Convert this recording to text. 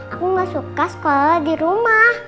aku gak suka sekolah di rumah